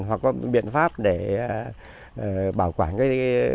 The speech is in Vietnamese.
hoặc có biện pháp để bảo quản cái